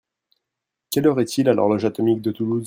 Quelle heure est-il à l'horloge atomique de Toulouse?